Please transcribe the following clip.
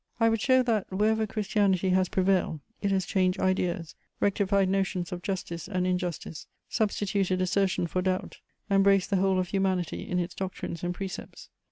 I would show that, wherever Christianity has prevailed, it has changed ideas, rectified notions of justice and injustice, substituted assertion for doubt, embraced the whole of humanity in its doctrines and precepts.